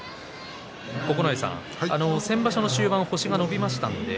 九重さん、先場所の終盤星が伸びました。